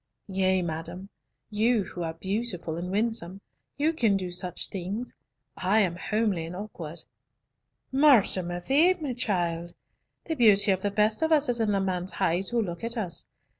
"Yea, madam, you who are beautiful and winsome, you can do such things, I am homely and awkward." "Mort de ma vie, child! the beauty of the best of us is in the man's eyes who looks at us.